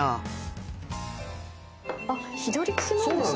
あっ左利きなんですね。